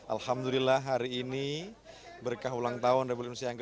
alhamdulillah hari ini berkah ulang tahun republik indonesia yang ke tujuh